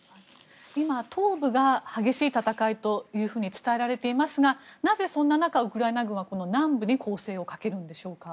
今、東部が激しい戦いというふうに伝えられていますがなぜ、そんな中ウクライナ軍は南部に攻勢をかけるんでしょうか？